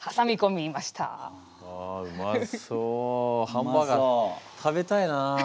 ハンバーガー食べたいな。